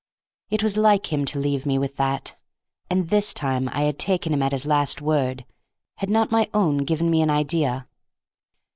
It was like him to leave me with that, and this time I had taken him at his last word, had not my own given me an idea.